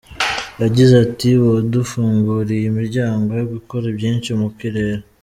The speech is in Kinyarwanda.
Yagize ati “Wadufunguriye imiryango yo gukora byinshi mu kirere.